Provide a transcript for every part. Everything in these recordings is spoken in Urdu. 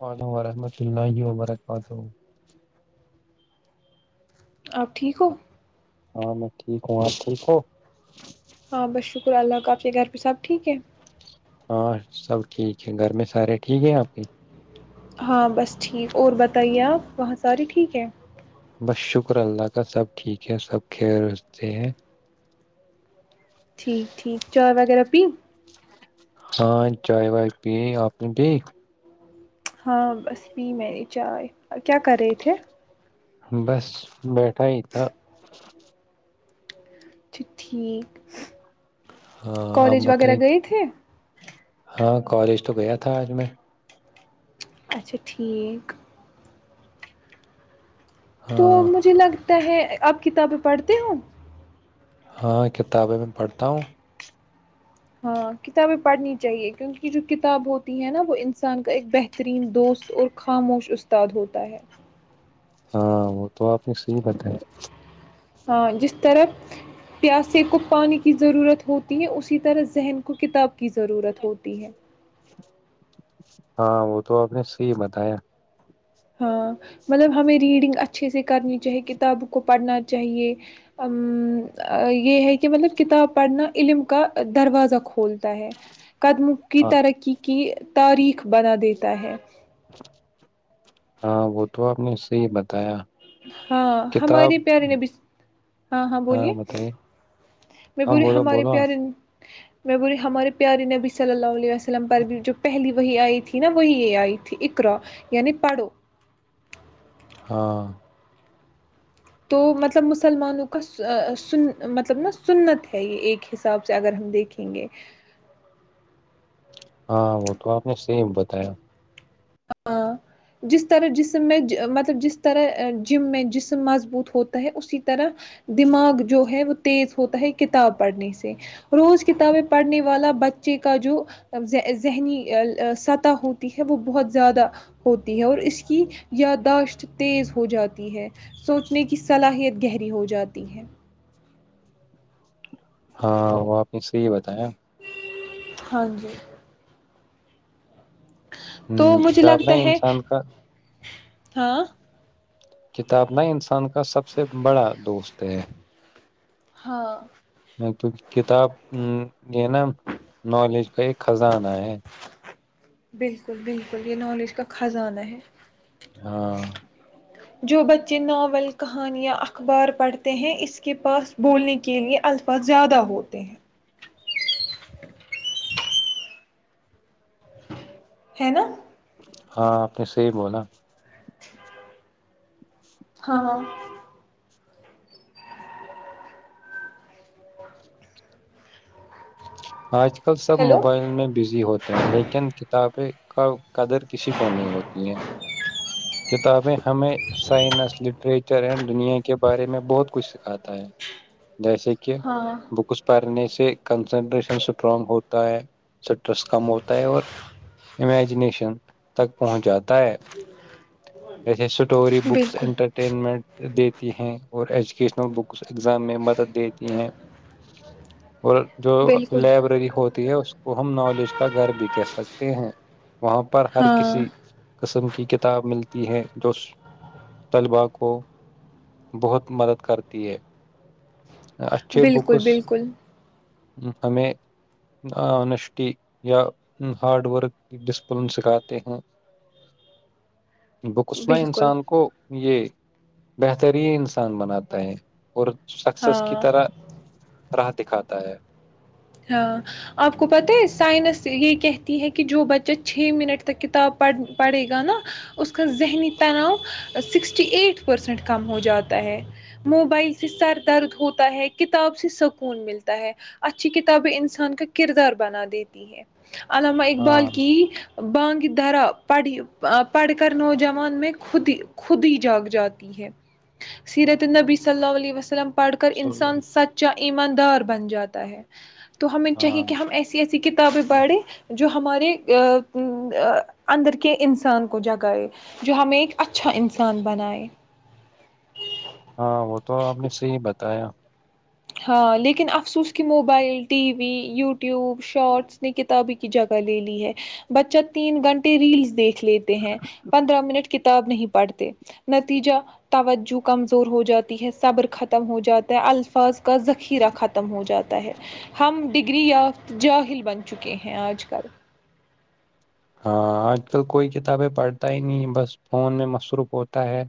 علم وورحمۃ اللہ یہ وبرکاتہ ھم آپ ٹھیک ہو ہاں میں ٹھیک ہوں آ ٹھیک ہو ہاں بس شکر اللہ کا آپ کے گھر پہ سب ٹھیک ہے ہاں سب ٹھیک ہے گھر میں سارے ٹھیک ہیں آپ کے ہاں بس ٹھیک اور بتائیے آپ وہاں ساری ٹھیک ہیں بس شکر اللہ کا سب ٹھیک ہے سب ک رتے ہیں ٹھیک ٹھیک چار وغیرہ پی ہاں چائے وائے پی آپ نے پ ہاں بس بھی میں نے چائے کیا کر رہے تھے بس بیٹھا ہی تھا تو ٹھیک ہاں آپ کالج وغیرہ بتائیے گئے تھے ہاں کالج تو گیا تھا آج میں اچھا ٹھیک تو ہاں مجھے لگ ہے اب کتابیں پڑھتی ہوں ہاں کتابیں میں پڑھتا ہوں ہاں کتابیں پڑھنی چاہیے کیونکہ جو کتاب ہوتی ہے نا وہ انسان کا ایک بہترین دوست اور خاموش استاد ہوتا ہے ہاں وہ تو آپ نے صحیح بتایا ہاں جس طرح پیاسے کو پانی کی ضرورت ہوتی ہے اسی طرح ذہن کو کتاب کی ضرورت ہوتی ہے ہاں وہ تو آپ نے صحیح بتایا ہاں مطلب ہمیں ریڈنگ اچھے سے کرنی چاہے کتابوں کو پڑھنا چاہیے یہ ہے کہ مطلب کتاب پڑھنا علم کا دروازہ کھولتا ہے قدم کی ہاں ترقی کی تاریخ بنا دیتا ہے ہاں وہ تو آپ نے صی بتایا ہاں کتاب ہمارے پیارے نےب ہاں ہاں بولیے میں ہاں بولی بولو ہمارے بولو پیارے نے میں بریی ہماری پیاری نے بس ل لاؤ لیا لم پر بھی جو پہلی وہی آئی تھی نا وہی یہ آئی تھی اکرا یعنی پڑو ہاں تو مطلب مسلمانوں کا سن مطلب نا سنت ہے یہ ایک حساب سے اگر ہم دیکھیں گے ہاں وہ تو آپ نے سیم بتایا ہاں جس طرح جسم میں مطلب جس طرح جم میں جسم مضبوط ہوتا ہے اسی طرح دماغ جو ہے وہ تیز ہوتا ہے کتاب پڑھنے سے روز کتابیں پڑھنے والا بچے کا جو ذہنی سطح ہوتی ہے وہ بہت زیادہ ہوتی ہے اور اس کی یاداشت تیز ہو جاتی ہے سوچنے کی صلاحیت گہری ہو جاتی ہے ہاں وہپ [unintelligible] اس سے یہ بتائیں ہاں جی تو ہ مجھے کتاب نہ لگتا ہے انسان کا ہاں کتاب ن انسان کا سب سے بڑا دوست ہے ہاں کیک کتاب یہ نا نالج کا ایک خزانہ ہے بالکل بالکل یہ نالج کا خزانہ ہے ہاں جو بچے ناول کہانیاں اخبار پڑھتے ہیں اس کے پاس بولنے کے لئے الفاظ زیادہ ہوتے ہیں ہے نا ہاں آپ نے سے ہی بولا ہاں ہاں آج کل سب ہیلو موبائل میں بزی ہوتے ہیں لیکن کتابیں قدر کسی کو نہیں ہوتی ہے کتابیں ہمیں سائنس لٹریچر اینڈ دنیا کے بارے میں بہت کچھ سکھاتا ہے جیسے کہ ہاں بکس پنس سے کنسنٹریشن اسٹرانگ ہوتا ہے اسٹریس کم ہوتا ہے اور امیجنییشن تک پہنچ جاتا ہے [unintelligible] اسٹوری بکس ان بالکل انٹرٹینمنٹ دیتی ہیں اور ایجوکیشنل بکس ایگزام میں مدد دیتی ہیں اور جو بالکل لائبریری ہوتی ہے اس وہ ہم نالج کا گھر بھی کہہ سکتے ہیں وہاں پر ہر ہاں کسی قسم کی کتاب ملتی ہیں جو طلبا کو بہت مدد کرتی ہے اچھے بالکل بکس بالکل ہمیں آنیسٹی یا ہارڈ ورک ڈسپلن سکھاتے ہیں بکس نہ بالکل انسان کو یہ بہترین انسان بناتا ہے اور سس کی ہاں طرح راہ دکھاتا ہے ہاں آپ کو پتہ ہے سائنس یہ کہتی ہے کہ جو بچہ چھ منٹ تک کتاب پڑھے گا نا اس کا ذہنی تناؤ سکسٹی ایٹ پرسینٹ کم ہو جاتا ہے موبائل سے سر درد ہوتا ہے کتاب سے سکون ملتا ہے اچھی کتابیں انسان کا کردار بنا دیتی ہیں علامہ اقبال ہاں کی بانگ درا پڑھی پڑھ کر نوجوان میں خود ہی خود ہی جاگ جاتی ہے سیرت نبی صلی اللہ علیہ وسلم پڑھ کر سن- انسان سچا ایماندار بن جاتا ہے تو ہمیں چاہیے ہاں کہ ہم ایسی ایسی کت کتابیں پڑھیں جو ہمارے اندر کے انسان کو جگائے جو ہمیں ایک اچھا انسان بنائے ہاں وہ تو آپ نے صحیح بتایا ہاں لیکن افسوس کی mobile T V YouTube shorts نے کتابیں کی جگہ لے لی ہے بچہ تین گھنٹے ریلس دیکھ لیتے ہیں پندرہ منٹ کے کتاب نہیں پڑھتے نتیجہ توجہ کمزور ہو جاتی ہے صبر ختم ہو جاتا ہے الفاظ کا ذخیرہ ختم ہو جاتا ہے ہم ڈگری یافت جاہل بن چکے ہیں آج کل ہاں آج کل کوئی کتابیں پڑھتا ہی نہیں بس فون میں مصروف ہوتا ہے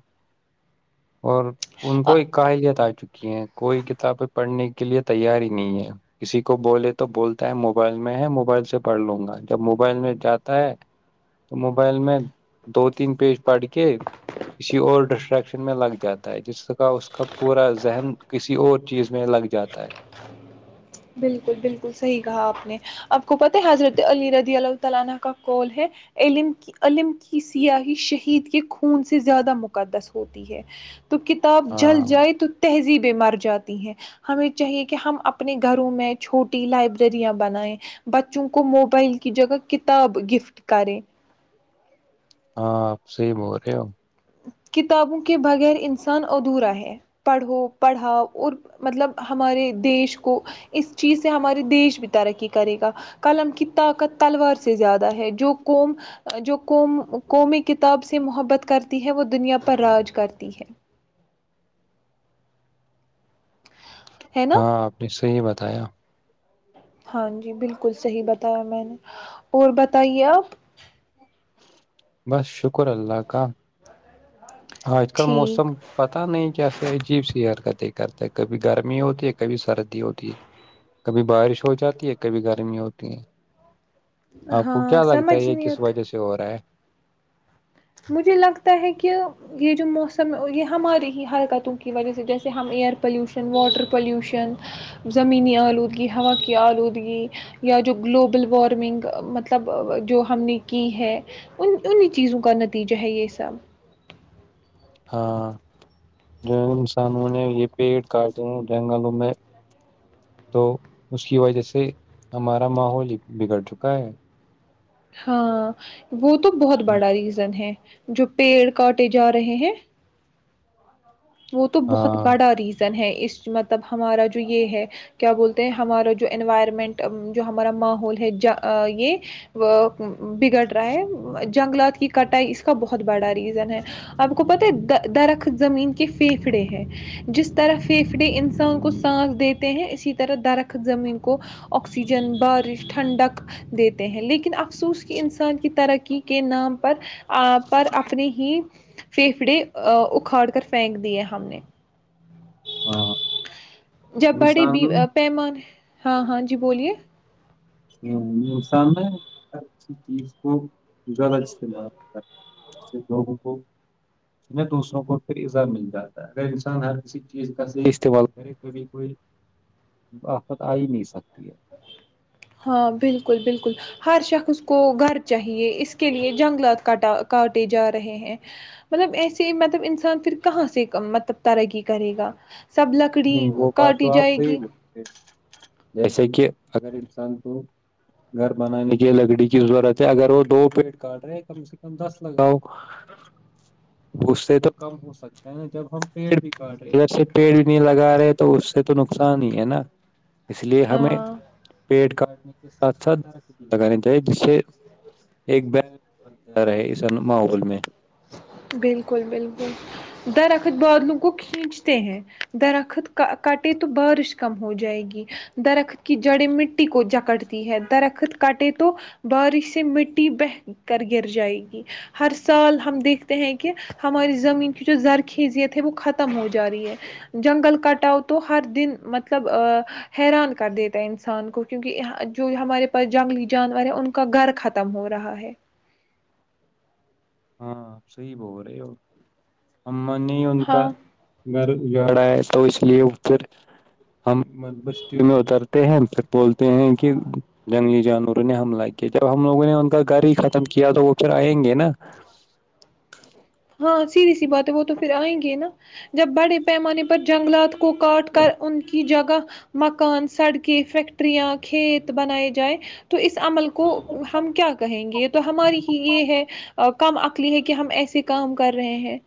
اور ان کو ایک کہ جت چکی کوئی کتابیں پڑھنے کے لیے تیار ہی نہیں ہے کسی کو بولے تو بولتا ہے موبائل میں ہے موبائل سے پڑھ لوں گا جب موبائل میں جاتا ہے تو موبائل میں دو تین پیج پڑھ کے کسی اور ڈسٹریکشن میں لگ جاتا ہے جس کا اس کا پورا ذہن کسی اور چیز میں لگ جاتا ہے بالکل بالکل صحیح کہا آپ نے آپ کو پتہ ہے حضرت علی رضی اللہ تعالیہ کا کال ہے علم کی علم کی سیاحی شہید کے خون سے زیادہ مقدس ہوتی ہے تو کتاب ہاں جل جائے تو تہذیب بیمار جاتی ہیں ہمیں چاہیے کہ ہم اپنے گ گھروں میں چھوٹی لائبریریاں بنائیں بچوں کو موبائل کی جگہ کتاب گفٹ کریں ہاں آپ سے ب ہو رہے ہو کتابوں کے بغیر انسان ادھورا ہے پڑھو پڑھاؤ اور مطلب ہمارے دیش کو اس چیز سے ہمارے دیش بھی ترقی کرے گا قلم کی طاقت تلوار سے زیادہ ہے جو قوم جو قوم قومی کتاب سے محبت کر ہیں وہ دنیا پر راج کرتی ہے ہے نا ہاں آپ نے صحیح بات بتیا ہاں جی بالکل صحیح بتایا میں نے اور بتائیے آپ بس شکر اللہ کا آج کل ٹھیک موسم پتا نہیں کیسے عجیب سی ہر کر کرتے کبھی گرمی ہوتی ہے کبھی سردی ہوتی ہے کبھی بارش ہو جاتی ہے کبھی گرمی ہوتی ہے آپ کو ہاں کیا لگتا ہے سمجھ یہ نہیں کس آتا وجہ سے ہو رہا ہے مجھے لگتا ہے کہ یہ جو موسم یہ ہماری ہی حرکتوں کی وجہ سے جیسے ہم ایئر پلیوشن واٹر پلیوشن زمینی آلودگی ہوا کی آلودگی یا جو گلوبل وارمنگ مطلب جو ہم نے کی ہے ان انہیں چیزوں کا ن تیجہ ہے یہ سب ہاں جو انسانوں نے یہ پیڑ کاٹے ہیں جنگلوں میں تو اس کی وجہ سے ہمارا ماحول بگڑ چکا ہے ہاں وہ تو بہت بڑا ریزن ہے جو پیڑ کاٹے جا رہے ہیں وہ تو بہت ہاں بڑا ریزن ہے اس مطلب ہمارا جو یہ ہے کیا بولتے ہیں ہمارا جو انوائرمنٹ جو ہمارا ماحول ہے یہ وہ بگڑ رہا ہے جنگلات کی کٹائی اس کا بہت بڑا ہے ریزن ہے آپ کو پت درخت زمین کہ پھیفھڑے ہیں جس طرح پھیفھڑے انسان کو سانس دیتے ہیں اسی طرح درخت زمین کو آکسیجن بارش ٹھنڈک دیتے ہیں لیکن ا مخصوص کہ انسان کی ترقی کے نام پر پر اپنی ہی فھیفڑے اکھاڑ کر پھینک دییا ہم نے ہاں جب بڑے انسان پیمانے ہاں ہاں جی بولیے انسان نا ہر کسی چیز کو غلط استعمال کر ج لوگوں کو دوسروں کو پھر ازا مل جاتا ہے اگر انسان ہر کسی چیز کا سے استعمال کرے کبھی کوئی آفت آ ہی نہیں سکتی ہے ہاں بالکل بالکل ہر شخص کو گھر چاہیے اس کے لیے جنگلات کاٹ کاٹے جا رہے ہیں مطلب ایسے مطلب انسان پھر کہاں سے مطلب ترقی کرے گا سب لکڑی نہیں وہ بات کاٹی تو آپ جائے صحیح گی بولتے جیسے کہ اگر انسان کو گھر بنانے کی لکڑی کی ضرورت ہے اگر وہ دو پیڑ کاٹ رہے ہیں کم سے کم دس لگاؤ اس سے تو کم ہو سکتا ہے نا جب ہم پیڑ بھی کاٹ رہے ہیں ادھر سے پیڑ بھی لگا رہے تو اس سے تو نقصان ہی ہے نا اس لیے ہمیں ہاں پیٹ کا ساتھ ساتھ لگانی چاہیے جس سے ایک بتا رہے اس ماحول میں بالکل بالکل درخت د خت بادلوں کو کھینچتے ہیں درخت کٹے تو بارش کم ہو جائے گی درخت کی جڑیں مٹی کو جکٹتی ہے درخت کٹے تو بارش سے مٹی بہ کر گر جائے گی ہر سال ہم دیکھتے ہیں کہ ہماری زمین کی جو زرخیزیت ہے وہ ختم ہو جا رہی ہے جنگل کٹاؤ تو ہر دن مطلب حیران کر دیتا ہے انسان کو کیونکہ جو ہمارے پاس جنگلی جانور ہے ان کا گھر ختم ہو رہا ہے ہاں صی بول رہے ہو اا نے ان کا ہاں گھر جاڑا ہے تو اس لیے پھر ہم بستی میں اترتے ہیں پھر بولتے ہیں کہ جنگلی جانوروں نے حملہ کیا جب ہم لوگوں نے ان کا گھر ہی ختم کیا تو وہ پھر آئیں گے نا السلام علیکم محترم بھائی جان آپ ہاں سیری سی بات وہ تو پھر آئیں گے نا جب بڑے پیمانے پر جنگلات کو کاٹ کر ان کی جگہ مکان سڑکیں فیکٹریاں کھیت بنائے جائیں تو اس عمل کو کو ہم کیا کہیں گے یہ تو ہماری ہی یہ ہے کم عکلی ہے کہ ہم ایسے کام کر رہے ہیں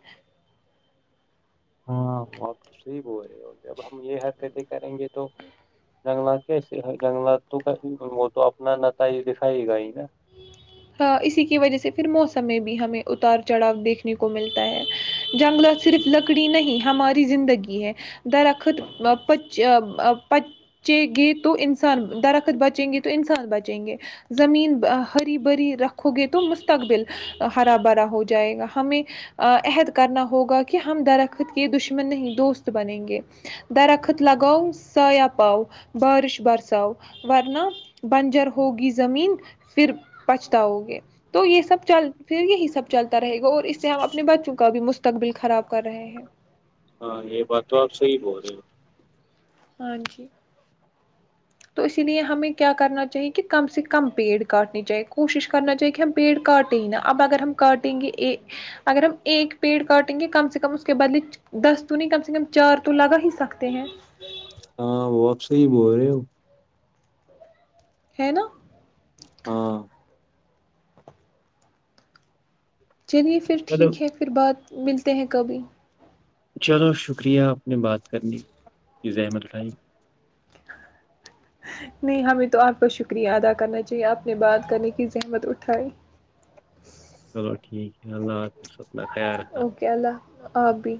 ہاں آپ تو صحیح بول رہے اور جب ہم یہ حرکتیں کریں گے تو جنگلات کیسے جنگلات تو وہ تو اپنا نتائج دکھائے گا ہی نا ہاں اسی کی وجہ سے پھر موسم میں بھی ہمیں اتار چڑھاؤ دیکھنے کو ملتا ہے جنگلات صرف لکڑی نہیں ہماری زندگی ہے درخت پچے گے تو انسان درخت بچیں گے تو انسان بچیں گے زمین بری رکھو گے تو مستقبل ہرا بھرا ہو جائے گا ہمیں عہد کرنا ہوگا کہ ہم درخت کے دشمن نہیں دوست بنیں گے درخت لگاؤ سا پؤ بارش برسؤ ورنہ بنجر ہوگی زمین پھر بچتاؤگے تو یہ سب چل پھر یہی سب چلتا رہے گا اور اس سے ہم اپنے بچوں کا بھی مستقبل خراب کر رہے ہیں ہاں یہ بات تو آپ صحی بول رہے ہو ہاں جی تو اسی لیے ہمیں کیا کرنا چاہیے کہ کم سے کم پیڑ کاٹنے چاہیے کوشش کرنا چاہیے کہ ہم پیڑ کاٹیں ہی نا اب اگر ہم کاٹیں گے اگر ہم ایک پیڑ کاٹیں گے کم سے کم اس کے بدلے دس تو نہیں کم سے کم چار تو لگا ہی سکتے ہیں ہاں وہ آپ سے ہی بول رہے ہو ہے نا ہاں چلیے پھر چلو ٹھیک ہے پھر بعات ملتے ہیں کبھی چلو شکریہ آپ نے بات کرنے کی زحمت اٹھائی گا نہیں ہمیں تو آپ کا شکریہ ادا کرنا چاہیے آپ نے بات کرنے کی زحمت اٹھائی چلو ٹھیک ہے اللہ حافظ ص اوکے اللہ آابی